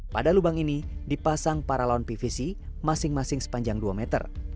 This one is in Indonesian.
pada lubang ini dipasang para lawan pvc masing masing sepanjang dua meter